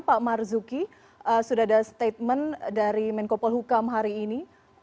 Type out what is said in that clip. pak marzuki sudah ada statement dari menko polhukam hari ini